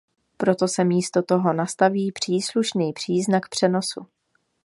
Proto se místo toho nastaví příslušný příznak přenosu.